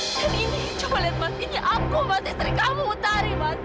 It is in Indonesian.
dan ini coba lihat mas ini aku mas istri kamu mutari mas